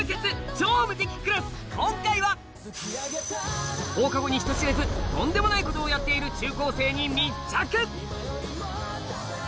『超無敵クラス』今回は放課後に人知れずとんでもないことをやっている中高生に密着！